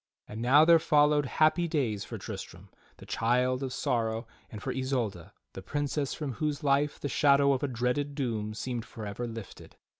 And now there followed happy days for Tristram, the child of sorrow, and for Isolda the princess from whose life the shadow of a dreaded doom seemed forever lifted.